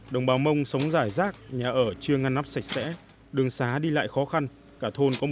đồng bào mông sống rải rác nhà ở chưa ngăn nắp sạch sẽ đường xá đi lại khó khăn cả thôn có một trăm một mươi